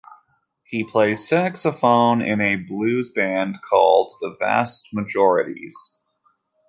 He plays saxophone in a blues band called the Vast Majorities.